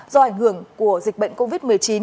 do ảnh hưởng của dịch bệnh covid một mươi chín